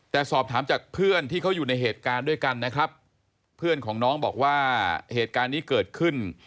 แต่สอบถามจากเพื่อนที่เขาอยู่ในเหตุการณ์ด้วยกันนะครับเพื่อนของน้องบอกว่าเหตุการณ์นี้เกิดขึ้น